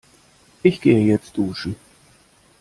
Ich gehe jetzt duschen.